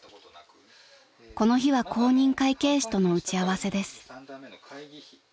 ［この日は公認会計士との打ち合わせです］